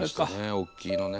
大きいのね。